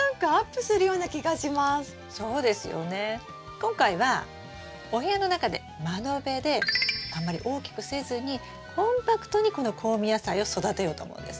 今回はお部屋の中で窓辺であんまり大きくせずにコンパクトにこの香味野菜を育てようと思うんです。